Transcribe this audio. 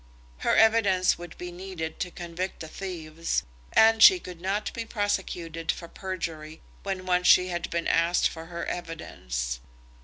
Her evidence would be needed to convict the thieves, and she could not be prosecuted for perjury when once she had been asked for her evidence.